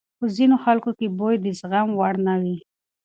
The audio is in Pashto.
په ځینو خلکو کې بوی د زغم وړ نه وي.